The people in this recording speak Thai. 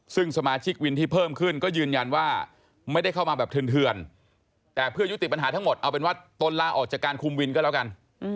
ซึ่งสมาชิกวินที่เพิ่มขึ้นก็ยืนยันว่าไม่ได้เข้ามาแบบเถื่อนแต่เพื่อยุติปัญหาทั้งหมดเอาเป็นว่าตนลาออกจากการคุมวินก็แล้วกัน